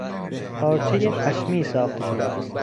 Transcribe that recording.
از پارچهی پشمی ساخته شده است.